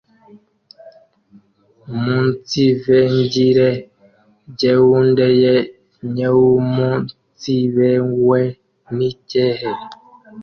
umunsivengire gehunde ye Nyeumunsibehwe ni cyehe